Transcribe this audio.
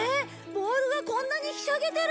ボールがこんなにひしゃげてる！